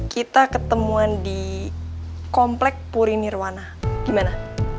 kita ketemuan di komplek puri nirwana gimana